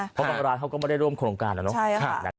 เพราะบางร้านเขาก็ไม่ได้ร่วมโครงการนะเนาะ